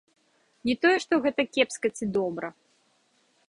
Не тое, што гэта кепска ці добра.